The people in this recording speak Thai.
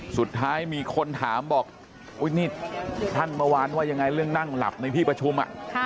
สุดท้ายมีคนถามบอกนี่ท่านเมื่อวานว่ายังไงเรื่องนั่งหลับในที่ประชุม